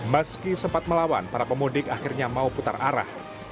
meski sempat melawan para pemudik akhirnya mau putar arah